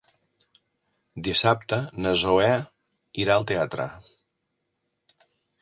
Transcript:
Dissabte na Zoè irà al teatre.